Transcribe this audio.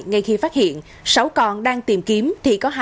ngay khi phát hiện sáu con đang tìm kiếm thì có hai con cá sấu